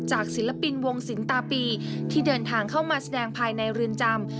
ศิลปินวงสิงตาปีที่เดินทางเข้ามาแสดงภายในเรือนจำ